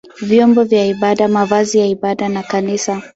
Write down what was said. vyombo vya ibada, mavazi ya ibada na kanisa.